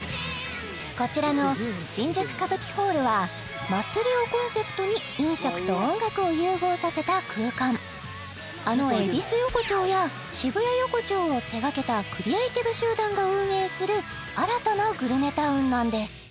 こちらの新宿カブキｈａｌｌは祭りをコンセプトに飲食と音楽を融合させた空間あの恵比寿横丁や渋谷横丁を手がけたクリエイティブ集団が運営する新たなグルメタウンなんです